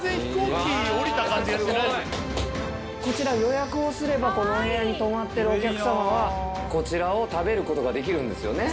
すごい！こちら予約をすればこのお部屋に泊まってるお客様はこちらを食べることができるんですよね？